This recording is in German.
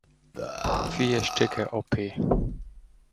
Vier Stücke op.